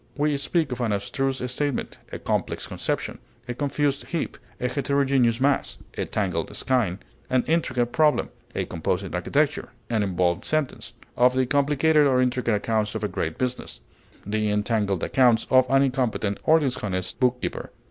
We speak of an abstruse statement, a complex conception, a confused heap, a heterogeneous mass, a tangled skein, an intricate problem; of composite architecture, an involved sentence; of the complicated or intricate accounts of a great business, the entangled accounts of an incompetent or dishonest bookkeeper.